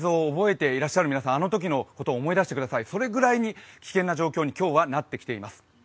てらっしゃる皆さん、あのときのことを思い出してください、そのくらい危険な状況に今日はなってきています。